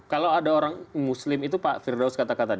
kalau ada orang muslim itu pak firdaus kata kata